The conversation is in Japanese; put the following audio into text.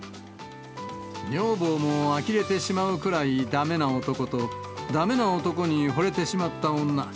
女房もあきれてしまうくらいだめな男と、だめな男にほれてしまった女。